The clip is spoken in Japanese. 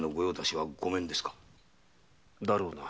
だろうな。